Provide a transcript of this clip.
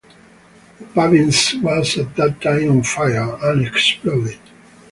The "Pavince" was at that time on fire, and exploded.